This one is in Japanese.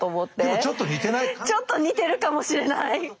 ちょっと似てるかもしれない。